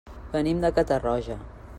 Venim de Catarroja.